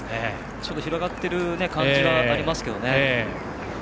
ちょっと広がっている感じはありますね。